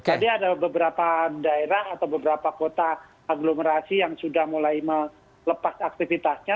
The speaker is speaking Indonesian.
jadi ada beberapa daerah atau beberapa kota aglomerasi yang sudah mulai melepas aktivitasnya